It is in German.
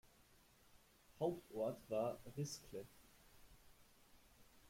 Hauptort war Riscle.